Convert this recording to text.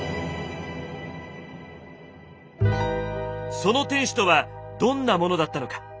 その天守とはどんなものだったのか。